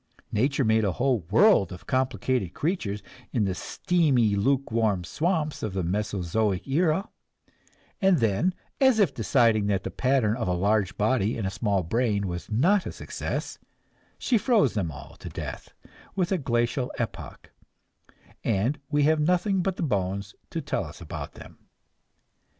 Nature made a whole world of complicated creatures in the steamy, luke warm swamps of the Mesozoic era, and then, as if deciding that the pattern of a large body and a small brain was not a success, she froze them all to death with a glacial epoch, and we have nothing but the bones to tell us about them.